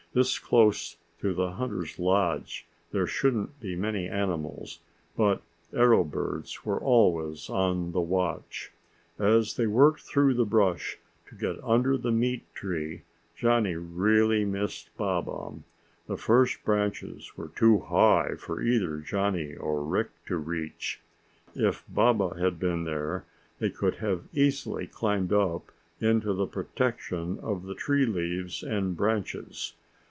This close to the hunters' lodge there shouldn't be many animals but arrow birds were always on the watch. As they worked through the brush to get under the meat tree Johnny really missed Baba. The first branches were too high for either Johnny or Rick to reach. If Baba had been there they could have easily climbed up into the protection of the tree's leaves and branches.